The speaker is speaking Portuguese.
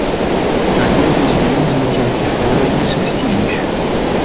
Traríamos menos do que o que fora insuficiente